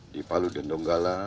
di palu dan donggala